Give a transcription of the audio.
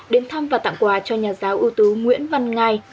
đến thăm và tặng quà cho nhà giáo ưu tú nguyễn văn ngai